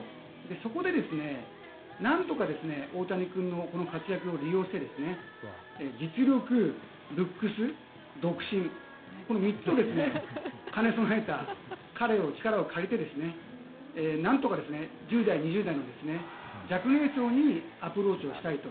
そこで何とか大谷君の活躍を利用して実力、ルックス、独身この３つを兼ね備えた彼の力を借りて何とか１０代、２０代の若年層にアプローチをしたいと。